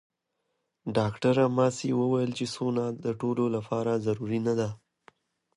ډاکټره ماسي وویل چې سونا د ټولو لپاره ضروري نه ده.